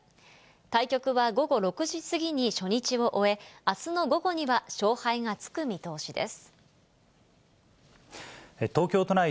対局は午後６時過ぎに初日を終え、あすの午後には勝敗がつく見通しです。